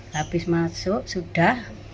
habis masuk sudah